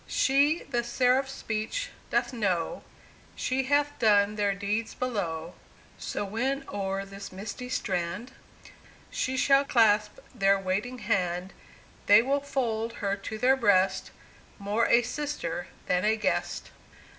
She the seraph's speech doth know, She hath done their deeds below: So, when o'er this misty strand She shall clasp their waiting hand, They will fold her to their breast, More a sister than a guest.